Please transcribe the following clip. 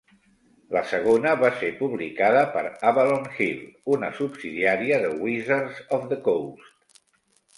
La segona va ser publicada per Avalon Hill, una subsidiària de Wizards of the Coast.